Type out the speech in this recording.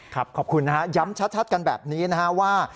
ขอบคุณนะฮะย้ำชัดกันแบบนี้นะฮะว่า